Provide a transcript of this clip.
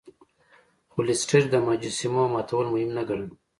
خو لیسټرډ د مجسمو ماتول مهم نه ګڼل.